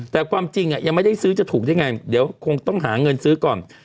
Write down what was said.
แต่ความจริงยังไม่ได้ซื้อจะถูกได้ไงเดี๋ยวคงต้องหาเงินซื้อก่อน